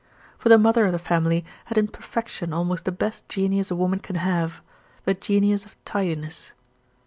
For the mother of the family had in perfection almost the best genius a woman can have the genius of tidiness.